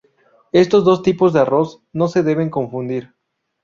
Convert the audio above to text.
Estos dos tipos de arroz no se deben confundir.